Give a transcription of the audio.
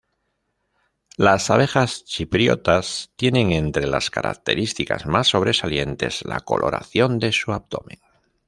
Las abejas chipriotas tienen entre las características más sobresalientes la coloración de su abdomen.